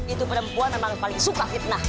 itu perempuan memang paling suka fitnah